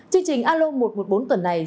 chương trình alo một trăm một mươi bốn tuần này